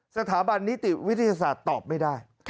สถาบันนิติวิทยาศาสตร์ตอบไม่ได้